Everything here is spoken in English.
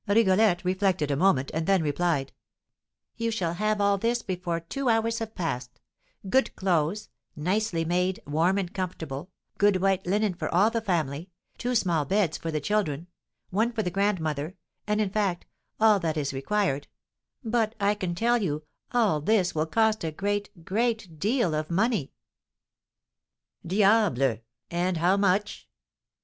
Rigolette reflected a moment, and then replied: "You shall have all this before two hours have passed: good clothes, nicely made, warm and comfortable, good white linen for all the family, two small beds for the children, one for the grandmother, and, in fact, all that is required; but, I can tell you, all this will cost a great, great deal of money." "Diable! and how much?"